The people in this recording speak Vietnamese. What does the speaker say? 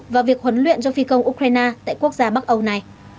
và việc huấn luyện cho phi công ukraine tại quốc gia bắc âu này